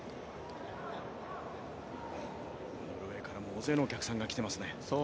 ノルウェーからも大勢のお客さんが来ていますね。